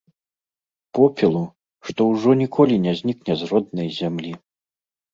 Попелу, што ўжо ніколі не знікне з роднай зямлі.